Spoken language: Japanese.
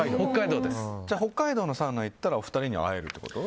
北海道のサウナに行ったらお二人に会えるってこと？